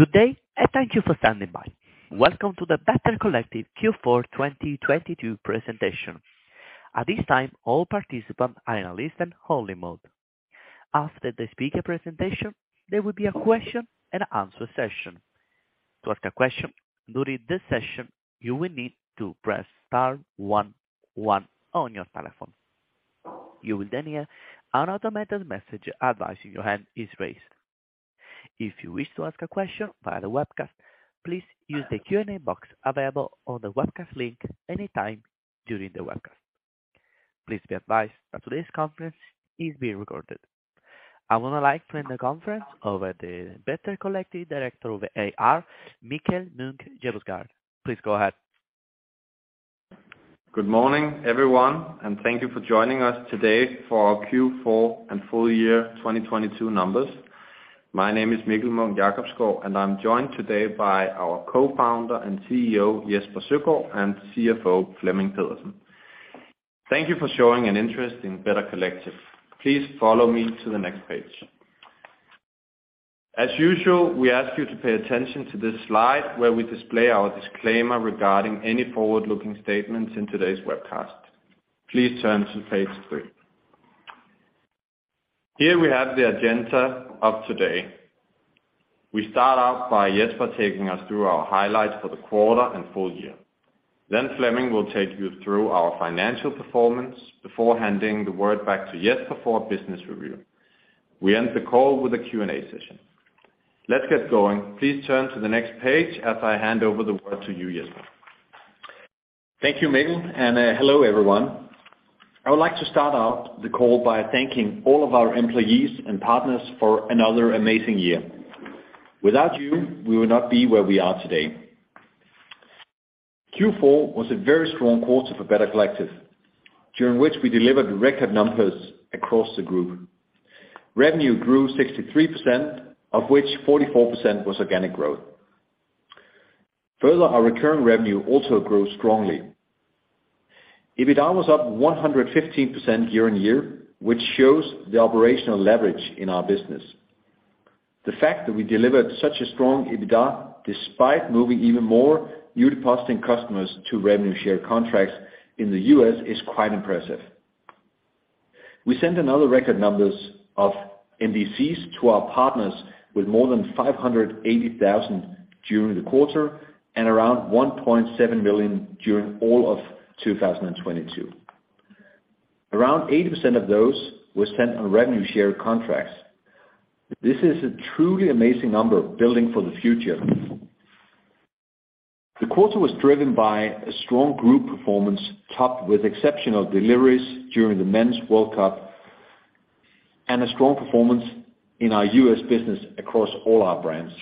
Good day, and thank you for standing by. Welcome to the Better Collective Q4 2022 presentation. At this time, all participants are in a listen-only mode. After the speaker presentation, there will be a question and answer session. To ask a question during this session, you will need to press star one one on your telephone. You will then hear an automated message advising your hand is raised. If you wish to ask a question via the webcast, please use the Q&A box available on the webcast link anytime during the webcast. Please be advised that today's conference is being recorded. I would now like to hand the conference over to Better Collective Director of IR, Mikkel Munch-Jacobsgaard. Please go ahead. Good morning, everyone, and thank you for joining us today for our Q4 and full year 2022 numbers. My name is Mikkel Munch-Jacobsgaard, and I'm joined today by our Co-founder and CEO, Jesper Søgaard, and CFO, Flemming Pedersen. Thank you for showing an interest in Better Collective. Please follow me to the next page. As usual, we ask you to pay attention to this slide where we display our disclaimer regarding any forward-looking statements in today's webcast. Please turn to page 3. Here we have the agenda of today. We start out by Jesper taking us through our highlights for the quarter and full year. Then Flemming will take you through our financial performance before handing the word back to Jesper for a business review. We end the call with a Q&A session. Let's get going. Please turn to the next page as I hand over the word to you, Jesper. Thank you, Mikkel. Hello, everyone. I would like to start out the call by thanking all of our employees and partners for another amazing year. Without you, we would not be where we are today. Q4 was a very strong quarter for Better Collective, during which we delivered record numbers across the group. Revenue grew 63%, of which 44% was organic growth. Our recurring revenue also grew strongly. EBITDA was up 115% year-on-year, which shows the operational leverage in our business. The fact that we delivered such a strong EBITDA despite moving even more new depositing customers to revenue share contracts in the U.S. is quite impressive. We sent another record numbers of NDCs to our partners with more than 580,000 during the quarter and around 1.7 million during all of 2022. Around 80% of those were sent on revenue share contracts. This is a truly amazing number building for the future. The quarter was driven by a strong group performance, topped with exceptional deliveries during the Men's World Cup and a strong performance in our U.S. business across all our brands.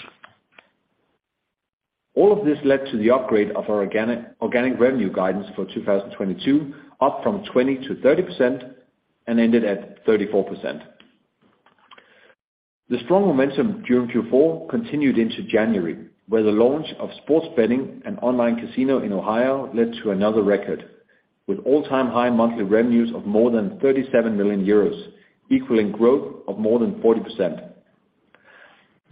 All of this led to the upgrade of our organic revenue guidance for 2022, up from 20%-30% and ended at 34%. The strong momentum during Q4 continued into January, where the launch of sports betting and online casino in Ohio led to another record with all-time high monthly revenues of more than 37 million euros, equaling growth of more than 40%.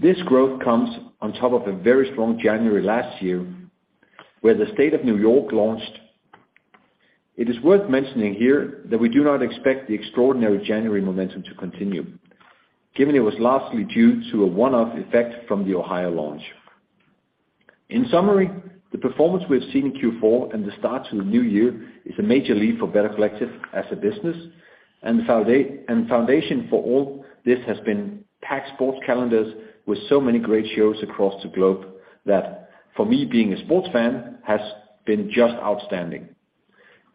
This growth comes on top of a very strong January last year, where the state of New York launched. It is worth mentioning here that we do not expect the extraordinary January momentum to continue, given it was lastly due to a one-off effect from the Ohio launch. In summary, the performance we have seen in Q4 and the start to the new year is a major leap for Better Collective as a business, and foundation for all this has been packed sports calendars with so many great shows across the globe that, for me, being a sports fan, has been just outstanding.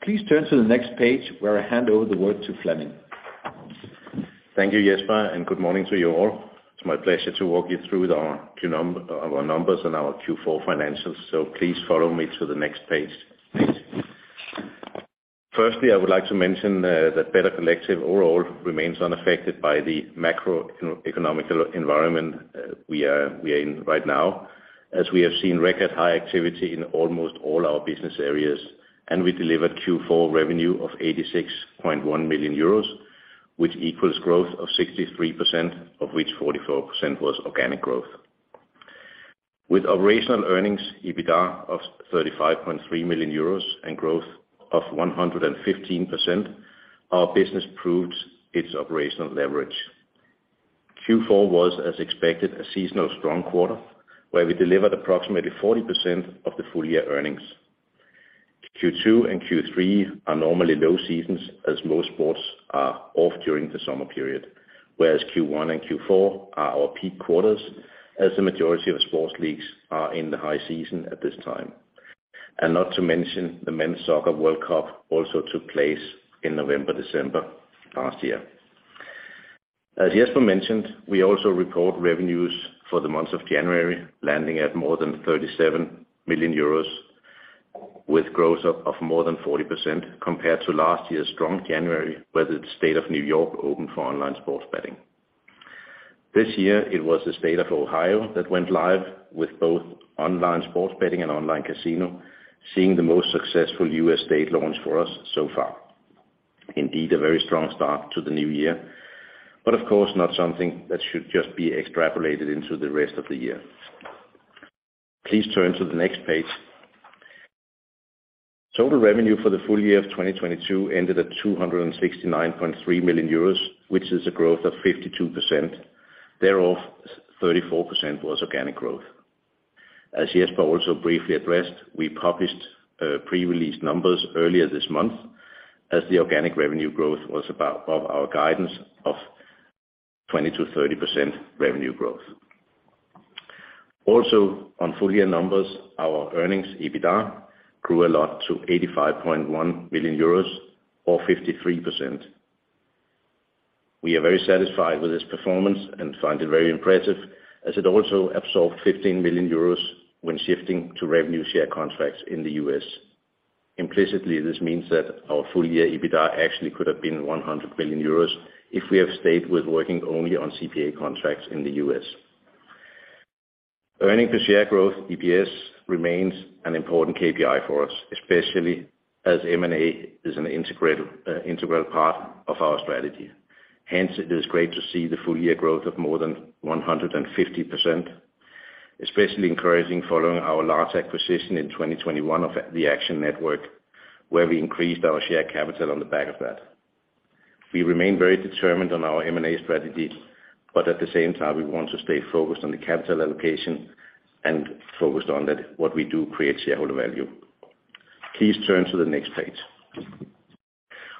Please turn to the next page where I hand over the word to Flemming. Thank you, Jesper. Good morning to you all. It's my pleasure to walk you through our numbers and our Q4 financials. Please follow me to the next page, please. Firstly, I would like to mention that Better Collective overall remains unaffected by the macroeconomic environment we are in right now, as we have seen record high activity in almost all our business areas. We delivered Q4 revenue of 86.1 million euros, which equals growth of 63%, of which 44% was organic growth. With operational earnings, EBITDA of 35.3 million euros and growth of 115%, our business proves its operational leverage. Q4 was, as expected, a seasonal strong quarter, where we delivered approximately 40% of the full-year earnings. Q2 and Q3 are normally low seasons as most sports are off during the summer period, whereas Q1 and Q4 are our peak quarters, as the majority of sports leagues are in the high season at this time. Not to mention, the Men's Soccer World Cup also took place in November, December last year. As Jesper mentioned, we also report revenues for the month of January, landing at more than 37 million euros, with growth of more than 40% compared to last year's strong January, where the state of New York opened for online sports betting. This year, it was the state of Ohio that went live with both online sports betting and online casino, seeing the most successful U.S. state launch for us so far. Indeed a very strong start to the new year, but of course not something that should just be extrapolated into the rest of the year. Please turn to the next page. Total revenue for the full year of 2022 ended at 269.3 million euros, which is a growth of 52%. Thereof, 34% was organic growth. As Jesper also briefly addressed, we published pre-release numbers earlier this month as the organic revenue growth was above our guidance of 20%-30% revenue growth. On full year numbers, our earnings, EBITDA, grew a lot to 85.1 million euros or 53%. We are very satisfied with this performance and find it very impressive as it also absorbed 15 million euros when shifting to revenue share contracts in the U.S. Implicitly, this means that our full year EBITDA actually could have been 100 billion euros if we have stayed with working only on CPA contracts in the U.S. Earning per share growth, EPS, remains an important KPI for us, especially as M&A is an integral part of our strategy. It is great to see the full year growth of more than 150%, especially encouraging following our large acquisition in 2021 of the Action Network, where we increased our share capital on the back of that. We remain very determined on our M&A strategy, at the same time, we want to stay focused on the capital allocation and focused on that what we do create shareholder value. Please turn to the next page.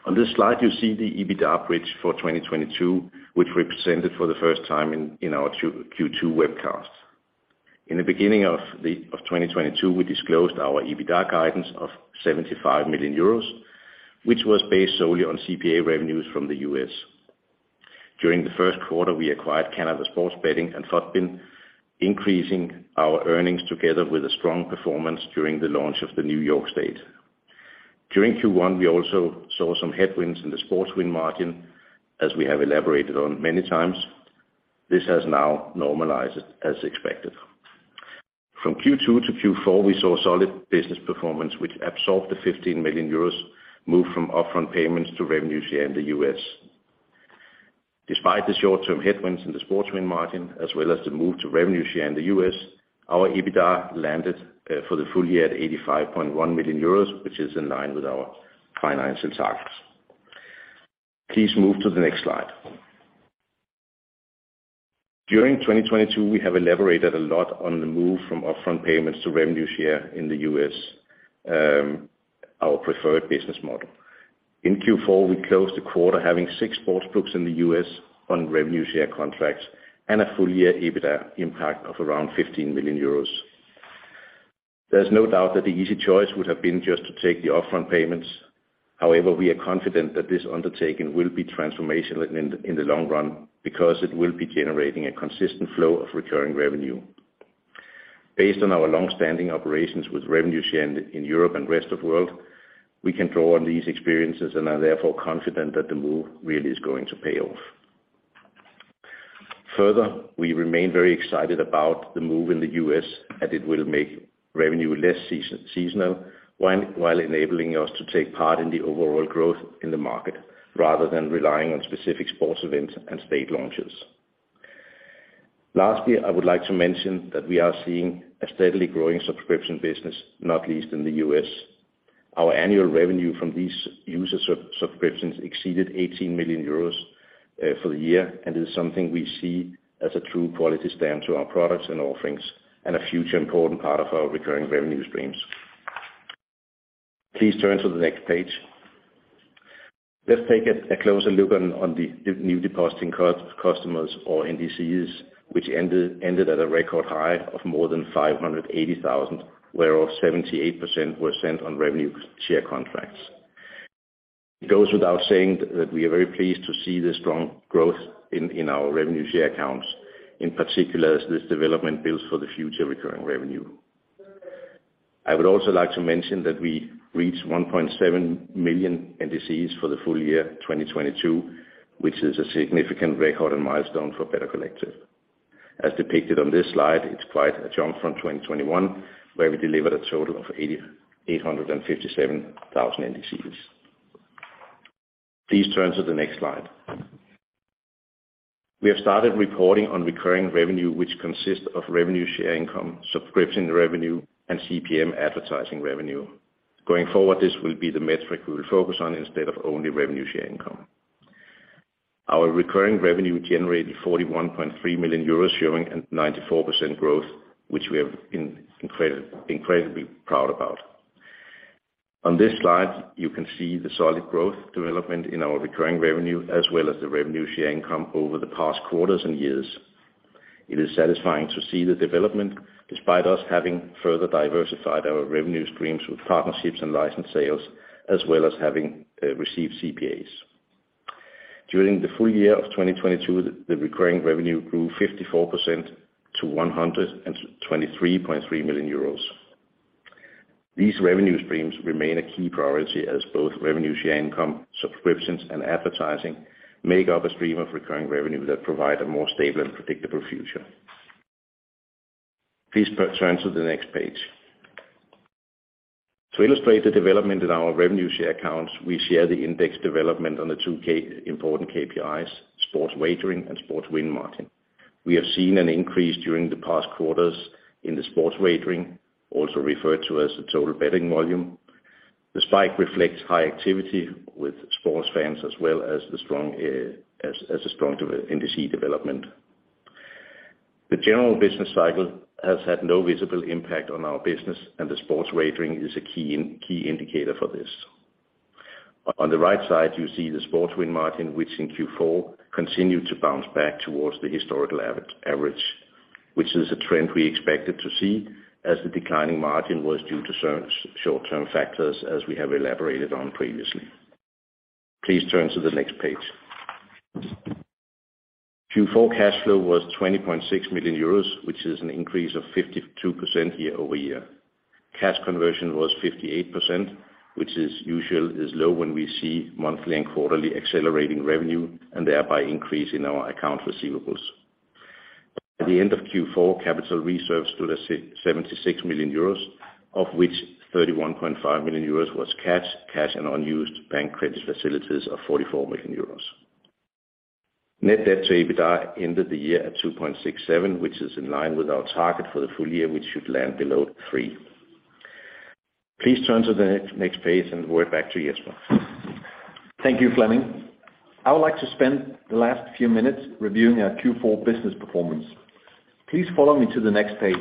On this slide, you see the EBITDA bridge for 2022, which we presented for the first time in our Q2 webcast. In the beginning of 2022, we disclosed our EBITDA guidance of 75 million euros, which was based solely on CPA revenues from the U.S. During the first quarter, we acquired Canada Sports Betting and FutBin, increasing our earnings together with a strong performance during the launch of the New York state. During Q1, we also saw some headwinds in the sports win margin, as we have elaborated on many times. This has now normalized as expected. From Q2 to Q4, we saw solid business performance, which absorbed the 15 million euros moved from upfront payments to revenue share in the US. Despite the short-term headwinds in the sports win margin, as well as the move to revenue share in the U.S, our EBITDA landed for the full year at 85.1 million euros, which is in line with our financial targets. Please move to the next slide. During 2022, we have elaborated a lot on the move from upfront payments to revenue share in the U.S., our preferred business model. In Q4, we closed the quarter having six sports books in the U.S. on revenue share contracts and a full year EBITDA impact of around 15 million euros. There's no doubt that the easy choice would have been just to take the upfront payments. We are confident that this undertaking will be transformational in the long run because it will be generating a consistent flow of recurring revenue. Based on our long-standing operations with revenue share in Europe and rest of world, we can draw on these experiences and are therefore confident that the move really is going to pay off. We remain very excited about the move in the U.S., as it will make revenue less seasonal while enabling us to take part in the overall growth in the market rather than relying on specific sports events and state launches. I would like to mention that we are seeing a steadily growing subscription business, not least in the U.S. Our annual revenue from these user sub-subscriptions exceeded 18 million euros for the year, and is something we see as a true quality stamp to our products and offerings and a future important part of our recurring revenue streams. Please turn to the next page. Let's take a closer look on the new depositing customers or NDCs, which ended at a record high of more than 580,000, where of 78% were sent on revenue share contracts. It goes without saying that we are very pleased to see the strong growth in our revenue share accounts, in particular as this development builds for the future recurring revenue. I would also like to mention that we reached 1.7 million NDCs for the full year 2022, which is a significant record and milestone for Better Collective. As depicted on this slide, it's quite a jump from 2021, where we delivered a total of 857,000 NDCs. Please turn to the next slide. We have started reporting on recurring revenue, which consists of revenue share income, subscription revenue, and CPM advertising revenue. Going forward, this will be the metric we will focus on instead of only revenue share income. Our recurring revenue generated 41.3 million euros showing a 94% growth, which we have been incredibly proud about. On this slide, you can see the solid growth development in our recurring revenue as well as the revenue share income over the past quarters and years. It is satisfying to see the development despite us having further diversified our revenue streams with partnerships and license sales, as well as having received CPAs. During the full year of 2022, the recurring revenue grew 54% to 123.3 million euros. These revenue streams remain a key priority as both revenue share income, subscriptions, and advertising make up a stream of recurring revenue that provide a more stable and predictable future. Please turn to the next page. To illustrate the development in our revenue share accounts, we share the index development on the two important KPIs, sports wagering and sports win margin. We have seen an increase during the past quarters in the sports wagering, also referred to as the total betting volume. The spike reflects high activity with sports fans as well as a strong NDC development. The general business cycle has had no visible impact on our business. The sports wagering is a key indicator for this. On the right side, you see the sports win margin, which in Q4 continued to bounce back towards the historical average, which is a trend we expected to see as the declining margin was due to short-term factors, as we have elaborated on previously. Please turn to the next page. Q4 cash flow was 20.6 million euros, which is an increase of 52% year-over-year. Cash conversion was 58%, which is usual, is low when we see monthly and quarterly accelerating revenue and thereby increase in our account receivables. At the end of Q4, capital reserves stood at 76 million euros, of which 31.5 million euros was cash and unused bank credit facilities of 44 million euros. Net debt to EBITDA ended the year at 2.67, which is in line with our target for the full year, which should land below 3. Please turn to the next page. We're back to Jesper. Thank you, Flemming. I would like to spend the last few minutes reviewing our Q4 business performance. Please follow me to the next page.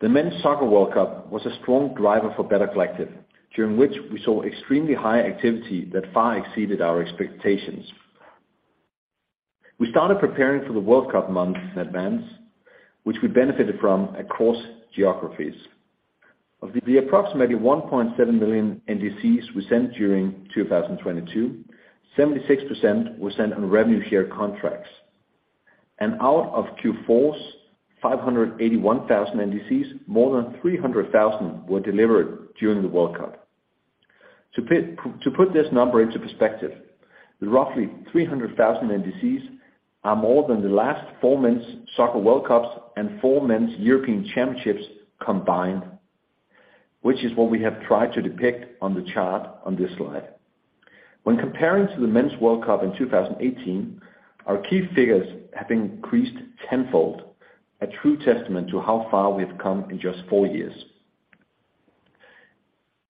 The Men's Soccer World Cup was a strong driver for Better Collective, during which we saw extremely high activity that far exceeded our expectations. We started preparing for the World Cup months in advance, which we benefited from across geographies. Of the approximately 1.7 million NDCs we sent during 2022, 76% were sent on revenue share contracts. Out of Q4's 581,000 NDCs, more than 300,000 were delivered during the World Cup. To put this number into perspective, roughly 300,000 NDCs are more than the last four men's FIFA World Cups and four men's UEFA European Championships combined, which is what we have tried to depict on the chart on this slide. When comparing to the FIFA World Cup in 2018, our key figures have increased tenfold, a true testament to how far we have come in just four years.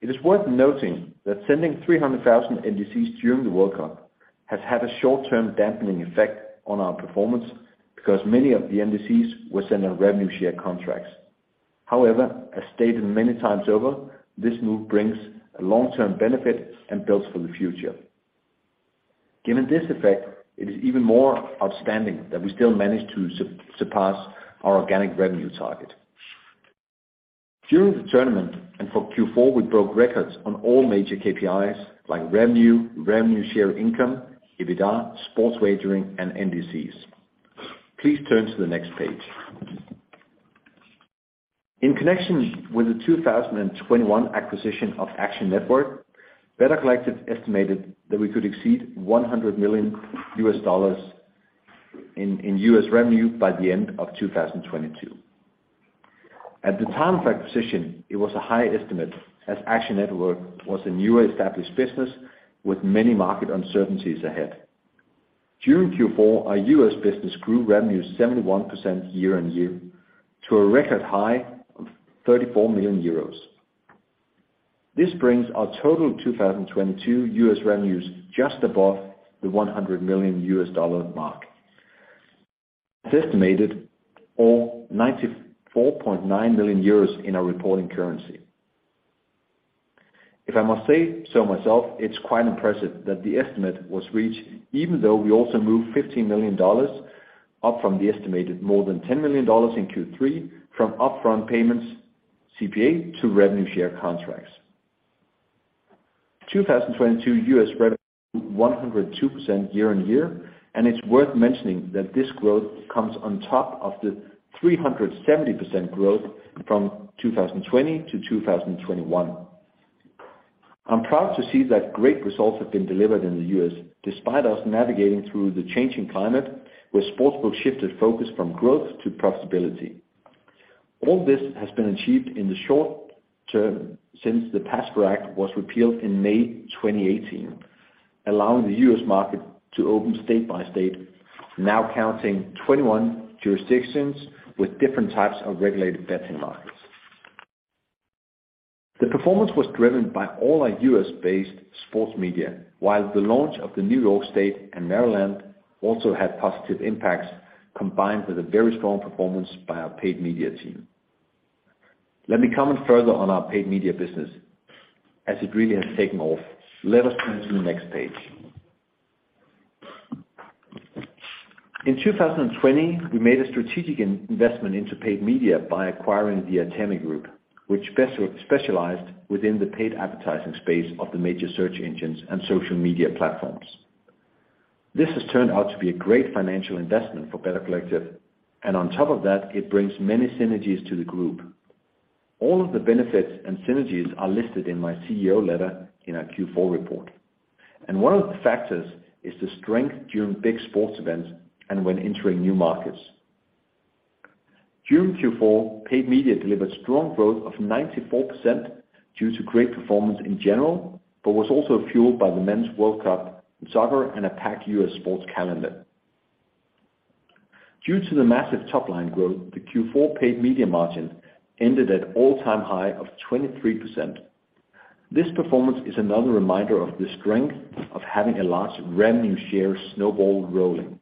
It is worth noting that sending 300,000 NDCs during the FIFA World Cup has had a short-term dampening effect on our performance because many of the NDCs were sent on revenue share contracts. However, as stated many times over, this move brings a long-term benefit and builds for the future. Given this effect, it is even more outstanding that we still managed to surpass our organic revenue target. During the tournament and for Q4, we broke records on all major KPIs like revenue share income, EBITDA, sports wagering, and NDCs. Please turn to the next page. In connection with the 2021 acquisition of Action Network, Better Collective estimated that we could exceed $100 million in U.S. revenue by the end of 2022. At the time of acquisition, it was a high estimate as Action Network was a newer established business with many market uncertainties ahead. During Q4, our U.S. business grew revenue 71% year-on-year to a record high of 34 million euros. This brings our total 2022 U.S. revenues just above the $100 million mark. As estimated or 94.9 million euros in our reporting currency. If I must say so myself, it's quite impressive that the estimate was reached, even though we also moved $15 million up from the estimated more than $10 million in Q3 from upfront payments, CPA to revenue share contracts. 2022 U.S. revenue 102% year-on-year. It's worth mentioning that this growth comes on top of the 370% growth from 2020 to 2021. I'm proud to see that great results have been delivered in the U.S., despite us navigating through the changing climate where sports book shifted focus from growth to profitability. All this has been achieved in the short term since the PASPA Act was repealed in May 2018, allowing the U.S. market to open state by state, now counting 21 jurisdictions with different types of regulated betting markets. The performance was driven by all our U.S.-based sports media, while the launch of the New York State and Maryland also had positive impacts, combined with a very strong performance by our paid media team. Let me comment further on our paid media business as it really has taken off. Let us turn to the next page. In 2020, we made a strategic in-investment into paid media by acquiring the Atemi Group, which specialized within the paid advertising space of the major search engines and social media platforms. This has turned out to be a great financial investment for Better Collective. On top of that, it brings many synergies to the group. All of the benefits and synergies are listed in my CEO letter in our Q4 report. One of the factors is the strength during big sports events and when entering new markets. During Q4, paid media delivered strong growth of 94% due to great performance in general, but was also fueled by the Men's World Cup, soccer, and a packed U.S. sports calendar. Due to the massive top-line growth, the Q4 paid media margin ended at all-time high of 23%. This performance is another reminder of the strength of having a large revenue share snowball rolling.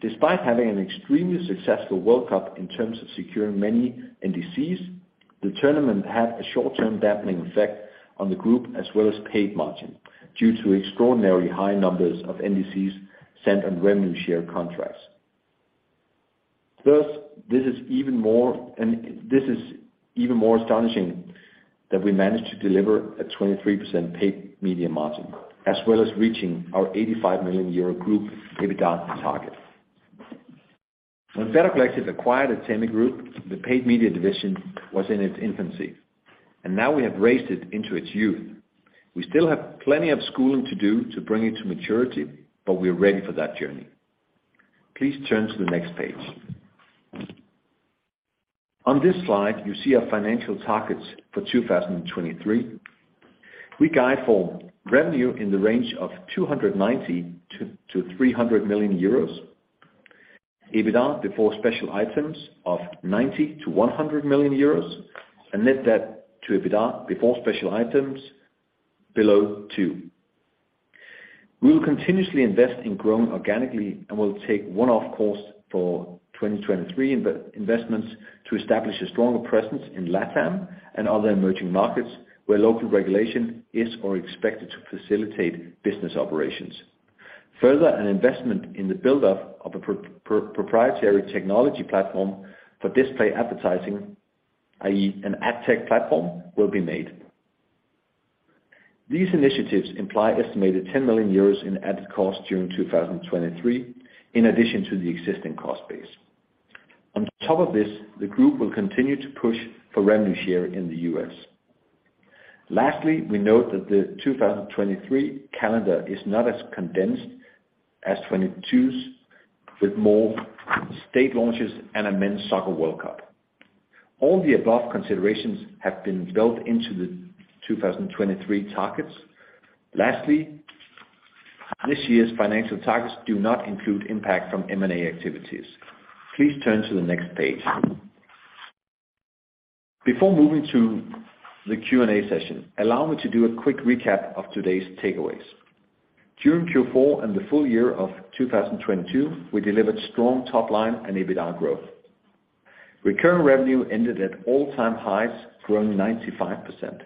Despite having an extremely successful World Cup in terms of securing many NDCs, the tournament had a short-term dampening effect on the group as well as paid margin due to extraordinary high numbers of NDCs sent on revenue share contracts. This is even more astonishing that we managed to deliver a 23% paid media margin, as well as reaching our 85 million euro group EBITDA target. When Better Collective acquired Atemi Group, the paid media division was in its infancy, and now we have raised it into its youth. We still have plenty of schooling to do to bring it to maturity, we're ready for that journey. Please turn to the next page. On this slide, you see our financial targets for 2023. We guide for revenue in the range of 290-300 million euros, EBITDA before special items of 90-100 million euros, and net debt to EBITDA before special items below 2. We will continuously invest in growing organically and will take one-off costs for 2023 investments to establish a stronger presence in LATAM and other emerging markets where local regulation is or expected to facilitate business operations. An investment in the buildup of a proprietary technology platform for display advertising, i.e. an AdTech platform, will be made. These initiatives imply estimated 10 million euros in added cost during 2023, in addition to the existing cost base. On top of this, the group will continue to push for revenue share in the US. Lastly, we note that the 2023 calendar is not as condensed as 2022's, with more state launches and a men's soccer World Cup. All the above considerations have been built into the 2023 targets. Lastly, this year's financial targets do not include impact from M&A activities. Please turn to the next page. Before moving to the Q&A session, allow me to do a quick recap of today's takeaways. During Q4 and the full year of 2022, we delivered strong top line and EBITDA growth. Recurring revenue ended at all-time highs, growing 95%.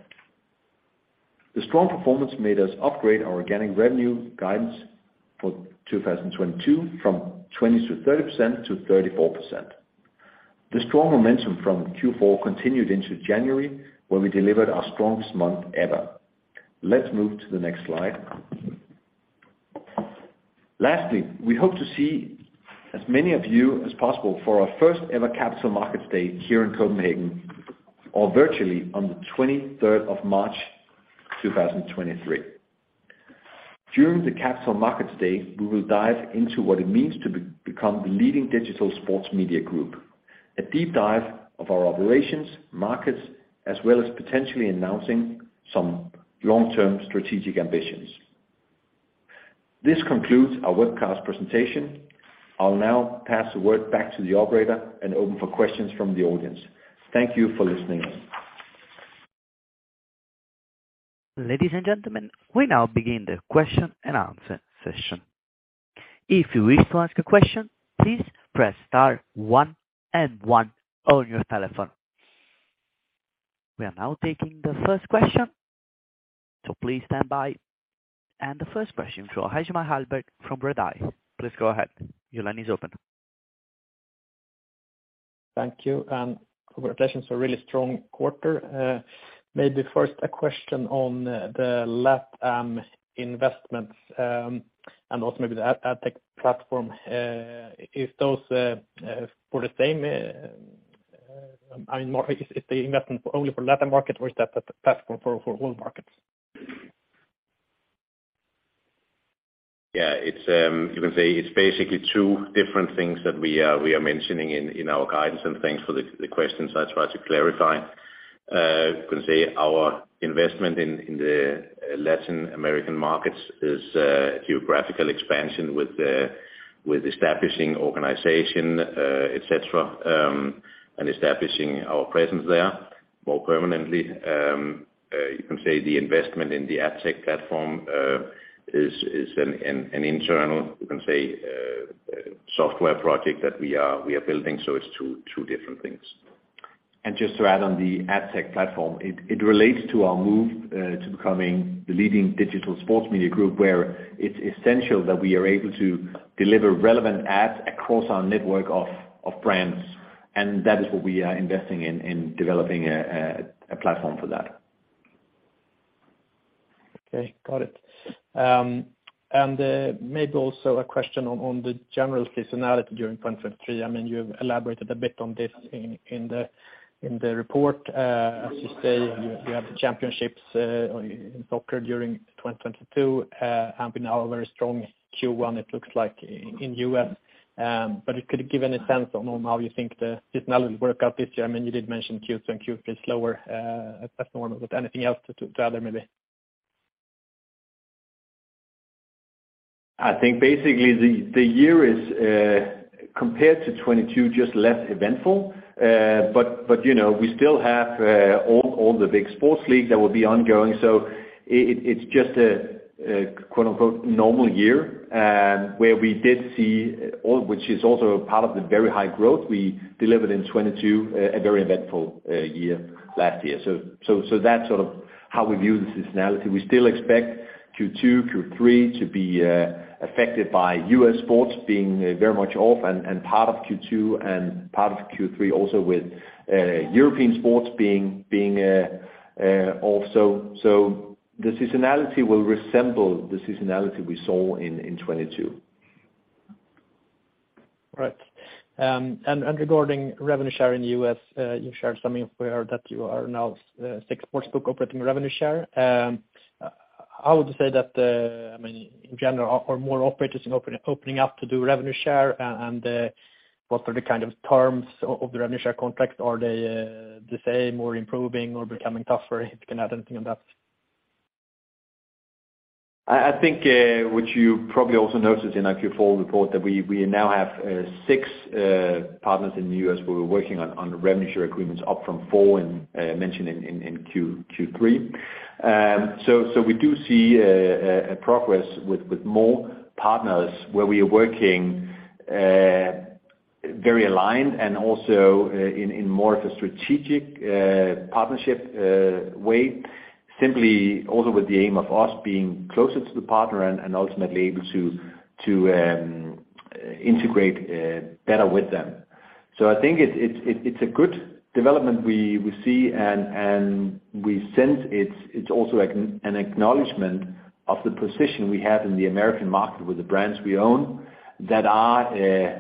The strong performance made us upgrade our organic revenue guidance for 2022 from 30%-34%. The strong momentum from Q4 continued into January, where we delivered our strongest month ever. Let's move to the next slide. Lastly, we hope to see as many of you as possible for our first ever Capital Markets Day here in Copenhagen or virtually on the 23rd of March, 2023. During the Capital Markets Day, we will dive into what it means to become the leading digital sports media group, a deep dive of our operations, markets, as well as potentially announcing some long-term strategic ambitions. This concludes our webcast presentation. I'll now pass the word back to the operator and open for questions from the audience. Thank you for listening in. Ladies and gentlemen, we now begin the question and answer session. If you wish to ask a question, please press star one and one on your telephone. We are now taking the first question, so please stand by. The first question from Hjalmar Ahlberg from Redeye. Please go ahead. Your line is open. Thank you. Congratulations for a really strong quarter. Maybe first a question on the LATAM investments and also maybe the AdTech platform. Is those for the same? I mean, is the investment only for LATAM market or is that the platform for world markets? Yeah. It's, you can say it's basically two different things that we are mentioning in our guidance. Thanks for the question, so I try to clarify. You can say our investment in the Latin American markets is geographical expansion with establishing organization, et cetera, and establishing our presence there more permanently. You can say the investment in the AdTech platform is an internal, you can say, software project that we are building. It's two different things. Just to add on the AdTech platform, it relates to our move to becoming the leading digital sports media group, where it's essential that we are able to deliver relevant ads across our network of brands, that is what we are investing in developing a platform for that. Okay. Got it. Maybe also a question on the general seasonality during 2023. I mean, you've elaborated a bit on this in the report. As you say, you have the championships in soccer during 2022. We now have a very strong Q1, it looks like in U.S., but it could give any sense on how you think the seasonality will work out this year. I mean, you did mention Q2 and Q3 is slower, as normal, but anything else to add there maybe? I think basically the year is compared to 2022 just less eventful. You know, we still have all the big sports leagues that will be ongoing. It's just a quote-unquote normal year, where we did see which is also part of the very high growth we delivered in 2022, a very eventful year last year. That's sort of how we view the seasonality. We still expect Q2, Q3 to be affected by U.S. sports being very much off and part of Q2 and part of Q3 also with European sports being off. The seasonality will resemble the seasonality we saw in 2022. Right. Regarding revenue share in the U.S., you've shared something where that you are now six sports book operating revenue share. How would you say that, I mean, in general are more operators opening up to do revenue share? What are the kind of terms of the revenue share contracts? Are they the same or improving or becoming tougher? If you can add anything on that. I think, which you probably also noticed in our Q4 report that we now have, 6, partners in the U.S. where we're working on revenue share agreements up from 4 and mentioned in Q2, Q3. We do see, a progress with more partners where we are working, very aligned and also in more of a strategic, partnership, way, simply also with the aim of us being closer to the partner and ultimately able to integrate better with them. I think it's a good development we see and we sense it's an acknowledgment of the position we have in the U.S. market with the brands we own that are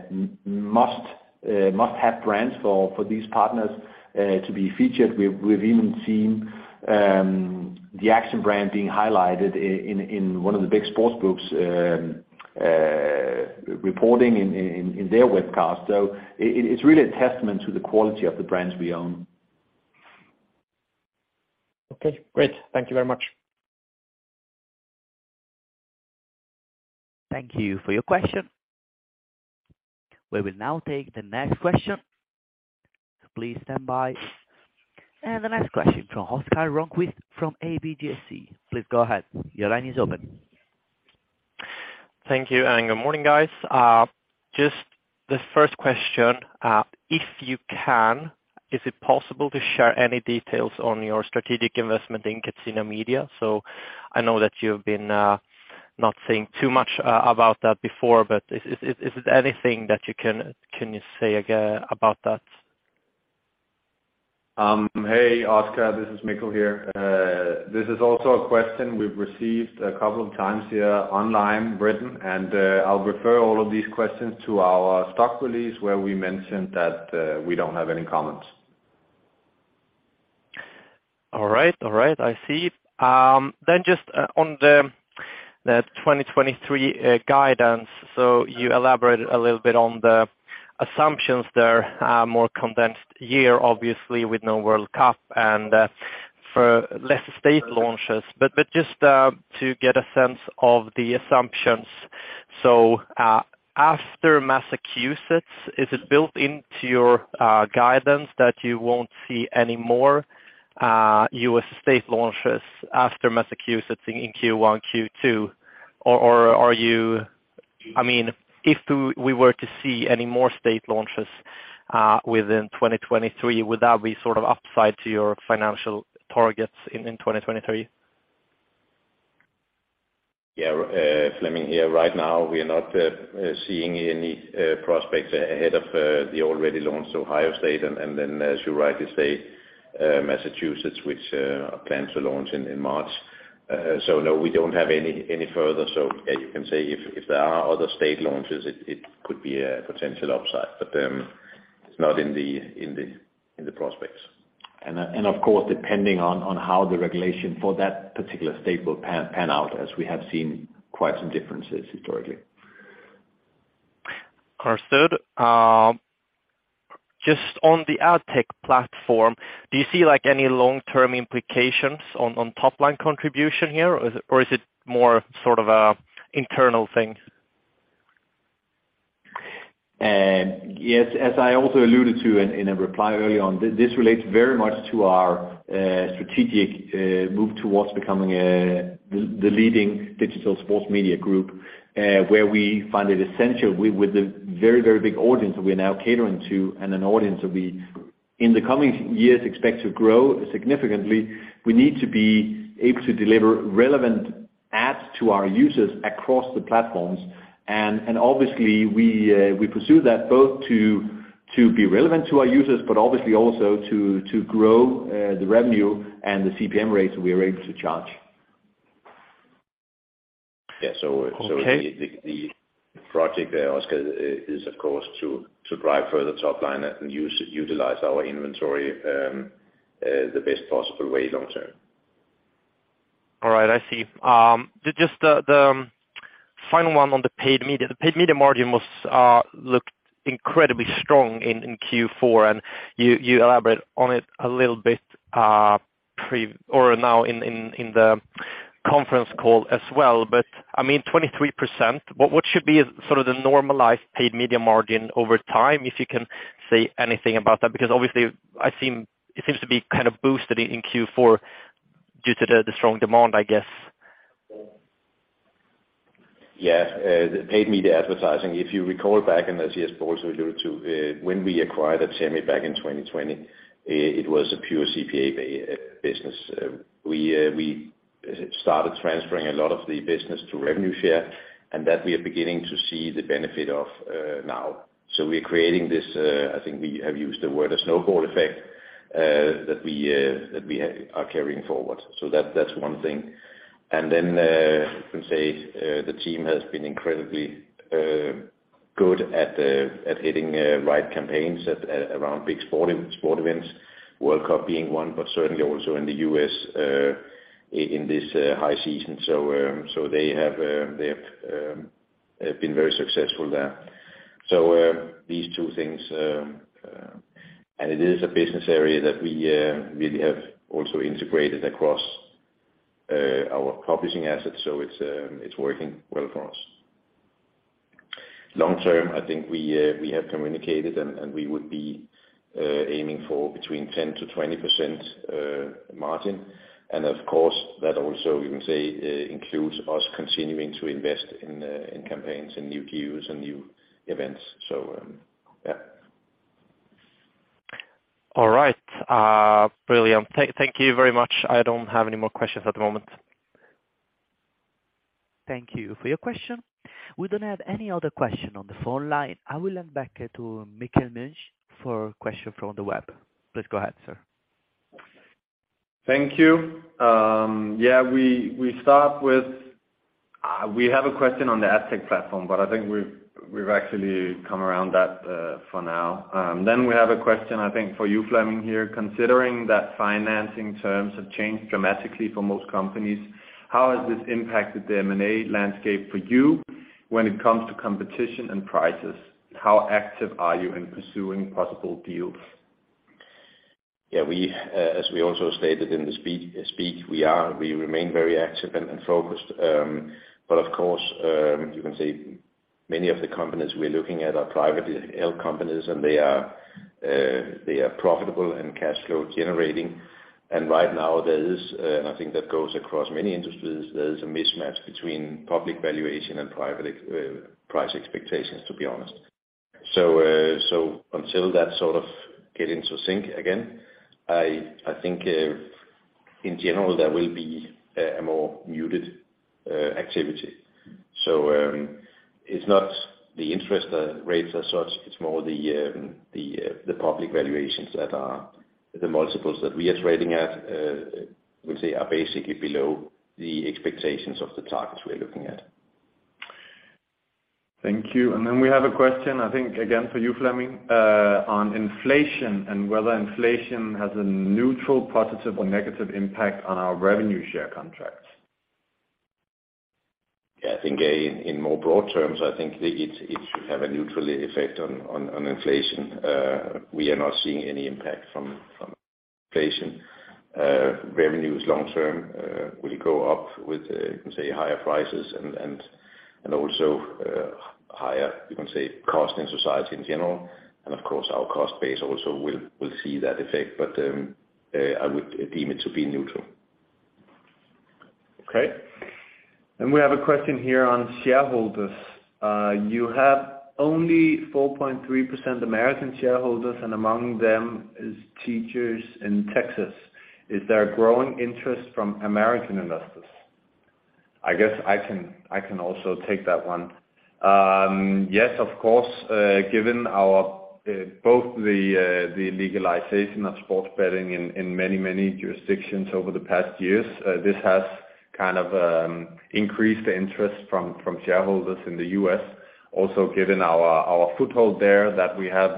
must have brands for these partners to be featured. We've even seen the Action brand being highlighted in one of the big sportsbooks reporting in their webcast. It's really a testament to the quality of the brands we own. Okay, great. Thank Thank you very much. Thank you for your question. We will now take the next question. Please stand by. The next question from Oscar Grönqvist from ABGSC. Please go ahead. Your line is open. Thank you, and good morning, guys. Just the first question, if you can, is it possible to share any details on your strategic investment in Catena Media? I know that you've been not saying too much about that before, but is it anything that you can you say about that? Hey, Oscar, this is Mikkel here. This is also a question we've received a couple of times here online written, I'll refer all of these questions to our stock release where we mentioned that, we don't have any comments. All right. All right, I see. Just on the 2023 guidance, you elaborated a little bit on the assumptions there, more condensed year, obviously with no World Cup and for less state launches. Just to get a sense of the assumptions. After Massachusetts, is it built into your guidance that you won't see any more U.S. state launches after Massachusetts in Q1, Q2? Or are you-- I mean, if we were to see any more state launches within 2023, would that be sort of upside to your financial targets in 2023? Yeah, Flemming here. Right now we are not seeing any prospects ahead of the already launched Ohio State, and then as you rightly say, Massachusetts, which are planned to launch in March. No, we don't have any further. You can say if there are other state launches, it could be a potential upside, but it's not in the prospects. Of course, depending on how the regulation for that particular state will pan out as we have seen quite some differences historically. Understood. Just on the AdTech platform, do you see like any long-term implications on top line contribution here or is it more sort of a internal thing? Yes, as I also alluded to in a reply earlier on, this relates very much to our strategic move towards becoming the leading digital sports media group, where we find it essential with the very, very big audience that we're now catering to and an audience that we in the coming years expect to grow significantly, we need to be able to deliver relevant ads to our users across the platforms. Obviously we pursue that both To be relevant to our users, but obviously also to grow the revenue and the CPM rates we are able to charge. Yeah. Okay. The project there, Oscar, is of course to drive further top line and utilize our inventory, the best possible way long term. All right. I see. Just the final one on the paid media, the paid media margin was looked incredibly strong in Q4, and you elaborate on it a little bit now in the conference call as well. I mean 23%, what should be sort of the normalized paid media margin over time, if you can say anything about that? Because obviously it seems to be kind of boosted in Q4 due to the strong demand, I guess. Yes. The paid media advertising, if you recall back, and as Jesper also alluded to, when we acquired Atemi back in 2020, it was a pure CPA business. We started transferring a lot of the business to revenue share, and that we are beginning to see the benefit of now. We're creating this, I think we have used the word a snowball effect, that we are carrying forward. That, that's one thing. Then, you can say, the team has been incredibly good at hitting right campaigns at, around big sport events, World Cup being one, but certainly also in the U.S., in this high season. They have been very successful there. These two things, and it is a business area that we really have also integrated across our publishing assets. It's working well for us. Long term, I think we have communicated and we would be aiming for between 10%-20% margin. Of course that also you can say includes us continuing to invest in campaigns and new views and new events. All right. Brilliant. Thank you very much. I don't have any more questions at the moment. Thank you for your question. We don't have any other question on the phone line. I will hand back to Mikkel Munch for question from the web. Please go ahead, sir. Thank you. We, we start with, we have a question on the AdTech platform, but I think we've actually come around that for now. We have a question, I think for you, Flemming, here. Considering that financing terms have changed dramatically for most companies, how has this impacted the M&A landscape for you when it comes to competition and prices? How active are you in pursuing possible deals? We, as we also stated in the speak, we remain very active and focused. Of course, you can say many of the companies we're looking at are privately held companies, and they are profitable and cash flow generating. Right now there is, and I think that goes across many industries, there is a mismatch between public valuation and private price expectations, to be honest. Until that sort of get into sync again, I think in general, there will be a more muted activity. It's not the interest rates as such, it's more the public valuations that are the multiples that we are trading at, we'll say are basically below the expectations of the targets we are looking at. Thank you. We have a question, I think again, for you, Flemming, on inflation and whether inflation has a neutral, positive or negative impact on our revenue share contracts. I think in more broad terms, I think it should have a neutral effect on inflation. We are not seeing any impact from inflation. Revenues long term will go up with, you can say higher prices and also higher, you can say cost in society in general. Of course our cost base also will see that effect. I would deem it to be neutral. Okay. We have a question here on shareholders. You have only 4.3% American shareholders, and among them is teachers in Texas. Is there a growing interest from American investors? I guess I can also take that one. Yes, of course. Given our, both the legalization of sports betting in many jurisdictions over the past years, this has kind of increased the interest from shareholders in the U.S. Also, given our foothold there, that we have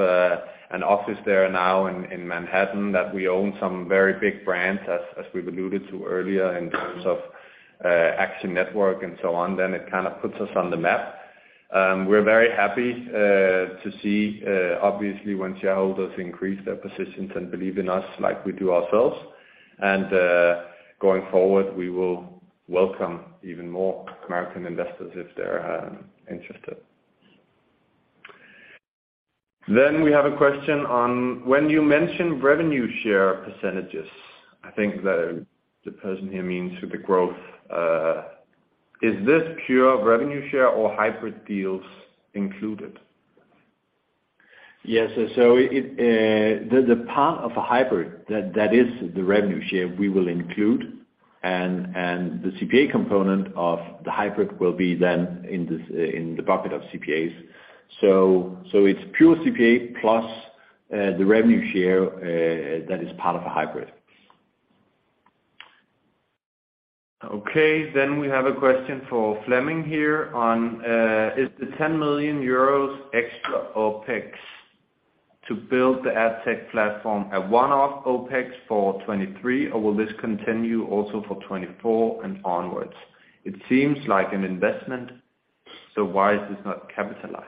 an office there now in Manhattan, that we own some very big brands as we've alluded to earlier in terms of Action Network and so on, then it kind of puts us on the map. We're very happy to see obviously when shareholders increase their positions and believe in us like we do ourselves. Going forward, we will welcome even more American investors if they're interested. We have a question on when you mention revenue share percentages, I think the person here means with the growth, is this pure revenue share or hybrid deals included? Yes. The part of a hybrid that is the revenue share we will include. The CPA component of the hybrid will be then in the bucket of CPAs. It's pure CPA plus the revenue share that is part of a hybrid. Okay. We have a question for Flemming here on, is the 10 million euros extra OPEX to build the AdTech platform a one-off OPEX for 2023, or will this continue also for 2024 and onwards? It seems like an investment, so why is this not capitalized?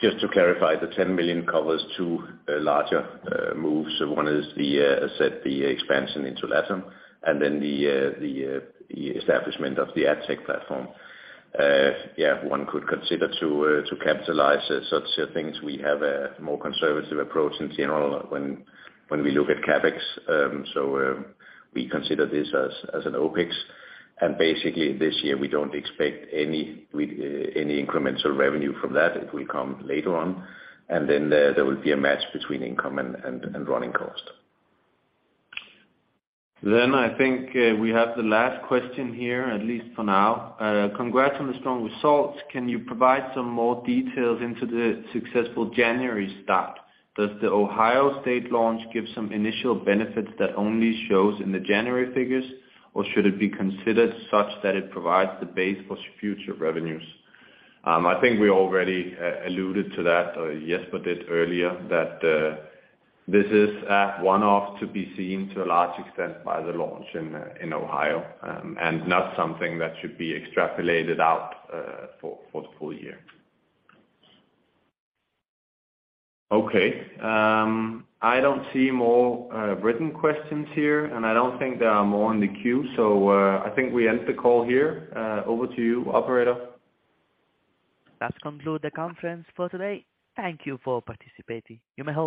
Just to clarify, the 10 million covers two larger moves. One is the expansion into LATAM, then the establishment of the AdTech platform. Yeah, one could consider to capitalize such things. We have a more conservative approach in general when we look at CapEx, we consider this as an OPEX. Basically, this year we don't expect any incremental revenue from that. It will come later on, then there will be a match between income and running cost. I think we have the last question here, at least for now. Congrats on the strong results. Can you provide some more details into the successful January start? Does the Ohio State launch give some initial benefits that only shows in the January figures, or should it be considered such that it provides the base for future revenues? I think we already alluded to that, Jesper did earlier, that this is a one-off to be seen to a large extent by the launch in Ohio, and not something that should be extrapolated out for the full year. Okay. I don't see more written questions here, and I don't think there are more in the queue. I think we end the call here. Over to you, operator. That conclude the conference for today. Thank you for participating. You may hang up.